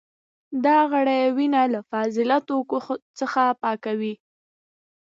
دا غړي وینه له فاضله توکو څخه پاکوي.